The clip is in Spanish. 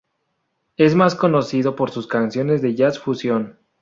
Es más conocido por sus canciones de jazz fusión.